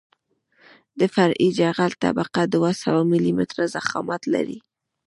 د فرعي جغل طبقه دوه سوه ملي متره ضخامت لري